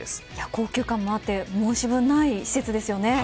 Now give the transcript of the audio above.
高級感があって申し分ないですよね。